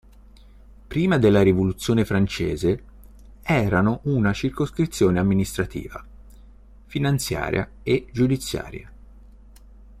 Prima della Rivoluzione francese, erano una circoscrizione amministrativa, finanziaria e giudiziaria.